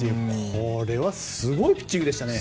これはすごいピッチングでしたね。